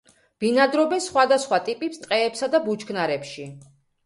ბინადრობენ სხვადასხვა ტიპის ტყეებსა და ბუჩქნარებში.